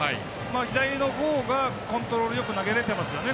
左の方がコントロールよく投げれてますね